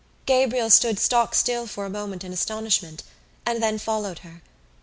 Gabriel stood stock still for a moment in astonishment and then followed her.